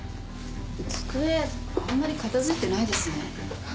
机あんまり片づいてないですね。